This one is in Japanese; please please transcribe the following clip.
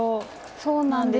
そうなんです。